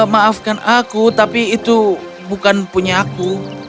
maafkan aku tapi itu bukan punya aku